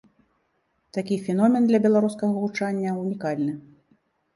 Такі феномен для беларускага гучання ўнікальны.